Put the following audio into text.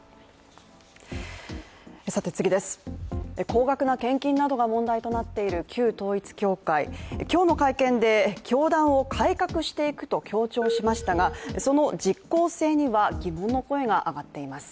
高額な献金などが問題となっている旧統一教会今日の会見で、教団を改革していくと強調しましたが、その実効性には、疑問の声が上がっています。